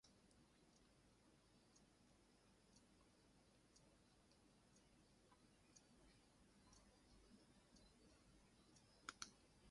Die globale digitale omgewing het vinnige groei in musiekstroming asook die literêre kunste beleef.